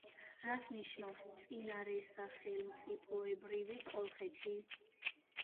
რას ნიშნავს "წინარესახელმწიფოებრივი კოლხეთი"?